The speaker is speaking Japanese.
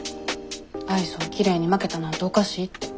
アイスをきれいに巻けたなんておかしいって。